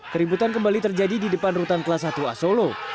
keributan kembali terjadi di depan rutan kelas satu a solo